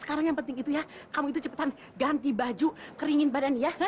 sekarang yang penting itu ya kamu itu cepatan ganti baju keringin badan ya